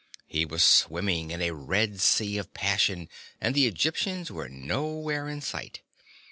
He was swimming in a red sea of passion and the Egyptians were nowhere in sight.